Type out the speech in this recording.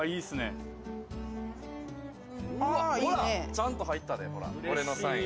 ちゃんと入ったで、俺のサイン。